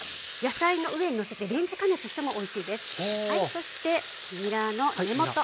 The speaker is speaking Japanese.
そしてにらの根元。